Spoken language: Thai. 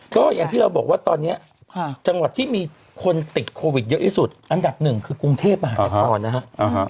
ก็อย่างที่เราบอกว่าตอนนี้จังหวัดที่มีคนติดโควิดเยอะที่สุดอันดับหนึ่งคือกรุงเทพมหานครนะฮะ